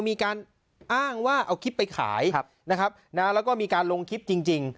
มีการอ้างว่าเอาคลิปไปขายนะครับแล้วก็มีการลงคลิปจริง